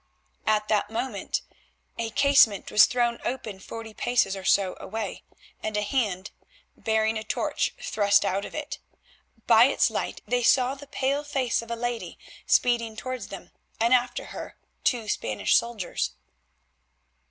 At that moment a casement was thrown open forty paces or so away, and a hand, bearing a torch, thrust out of it. By its light they saw the pale face of a lady speeding towards them, and after her two Spanish soldiers.